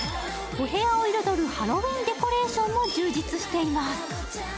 お部屋を彩るハロウィーンデコレーションも充実しています。